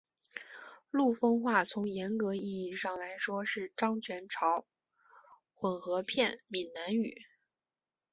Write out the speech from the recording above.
陆丰话从严格意义上来说是漳泉潮混合片闽南语。